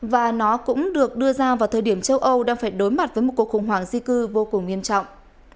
và nó cũng được đưa ra vào thời điểm châu âu đang phải đối mặt với một cuộc khủng hoảng di cư vô cùng nghiêm trọng